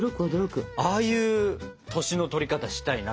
ああいう年のとり方したいなと思う。